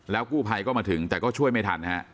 กู้ภัยก็มาถึงแต่ก็ช่วยไม่ทันฮะ